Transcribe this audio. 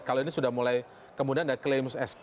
kalau ini sudah mulai kemudian ada klaim sk